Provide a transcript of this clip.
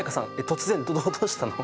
突然どうしたの！？